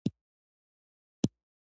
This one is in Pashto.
د زلزلې وړاندوینه تر اوسه نا شونې ده.